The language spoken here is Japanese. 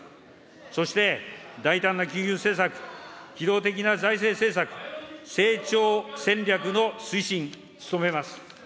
そして大胆な金融政策、機動的な財政政策、成長戦略の推進、努めます。